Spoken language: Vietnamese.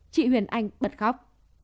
chị huyền anh bật khóc